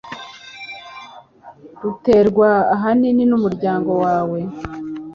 ruterwa ahanini n'umuryango wawe